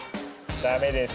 ダメです！